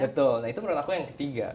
betul nah itu menurut aku yang ketiga